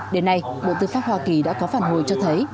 đến nay bộ tư pháp hoa kỳ đã có phản hồi cho thấy